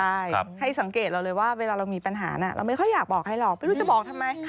ใช่ให้สังเกตเราเลยว่าเวลาเรามีปัญหาเราไม่ค่อยอยากบอกให้หรอกไม่รู้จะบอกทำไม